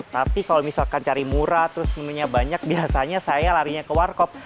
tapi kalau misalkan cari murah terus menunya banyak biasanya saya larinya ke warkop